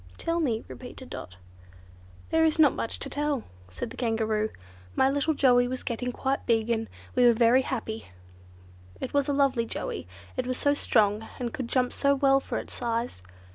"Tell me," repeated Dot. "There is not much to tell," said the Kangaroo. "My little Joey was getting quite big, and we were very happy. It was a lovely Joey. It was so strong, and could jump so well for its size.